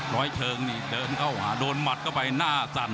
ร้อยเชิงนี่เดินเข้าหาโดนหมัดเข้าไปหน้าสั่น